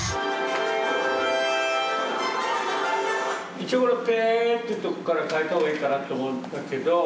一応この「ペ」というとこから変えた方がいいかなと思うんだけど。